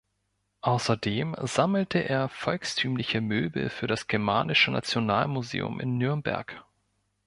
Außerdem sammelte er volkstümliche Möbel für das Germanische Nationalmuseum in Nürnberg.